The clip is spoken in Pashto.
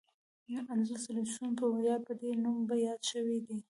اندرلس سلسیوس په ویاړ په دې نوم یاد شوی دی.